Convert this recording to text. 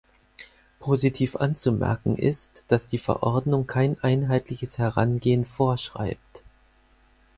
Positiv anzumerken ist, dass die Verordnung kein einheitliches Herangehen vorschreibt.